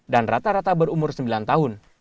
dan rata rata berumur sembilan tahun